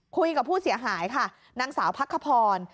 คุยกับผู้เสียหายค่ะนางสาวพักขพร